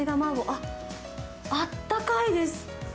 あっ、あったかいです。